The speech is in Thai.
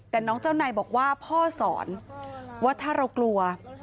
แต่น้องเจ้านายบอกว่าพ่อสอนว่าถ้าเรากลัว